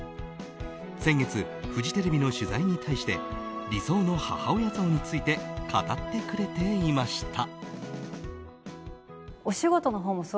先月、フジテレビの取材に対して理想の母親像について語ってくれていました。